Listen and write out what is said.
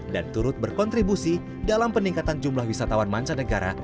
dan turut berkontribusi dalam peningkatan jumlah wisatawan mancanegara